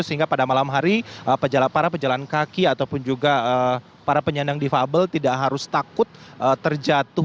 sehingga pada malam hari para pejalan kaki ataupun juga para penyandang difabel tidak harus takut terjatuh